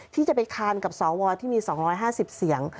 ที่จะไปคานกับสวที่มี๒๕๐เสียง